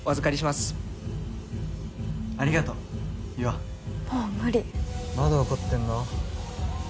まだ怒ってんの？